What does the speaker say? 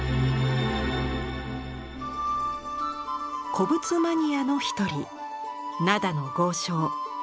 古物マニアの一人灘の豪商吉田道可。